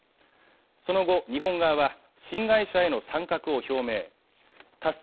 その後日本側は新会社への参画を表明タス